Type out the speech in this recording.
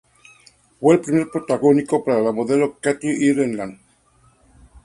Fue el primer protagónico para la modelo Kathy Ireland.